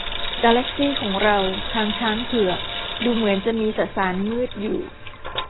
กาแลคซีของเราทางช้างเผือกดูเหมือนจะมีสสารมืดอยู่